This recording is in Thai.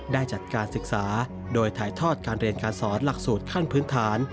ได้จัดการศึกษาโดยถ่ายทอดการเรียนการสอนหลักสูตรขั้นพื้นฐาน